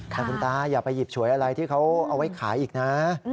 แต่คุณตาอย่าไปหยิบฉวยอะไรที่เขาเอาไว้ขายอีกนะ